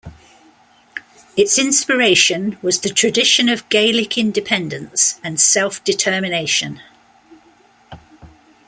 Its inspiration was the tradition of Gaelic independence and self-determination.